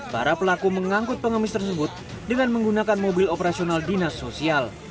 para pelaku mengangkut pengemis tersebut dengan menggunakan mobil operasional dinas sosial